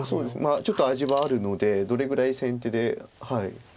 ちょっと味はあるのでどれぐらい先手で。